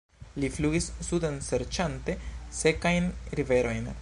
Li flugis suden serĉante sekajn riverojn.